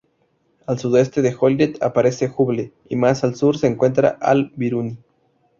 Al sudoeste de Joliet aparece Hubble, y más al sur se encuentra Al-Biruni.